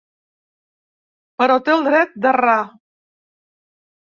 Però té el dret d’errar.